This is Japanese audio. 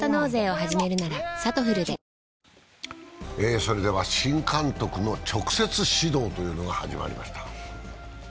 それでは新監督の直接指導というのが始まりました。